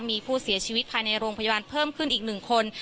มีผู้เสียชีวิตภายในโรงพยาบาลเพิ่มขึ้นอีก๑คน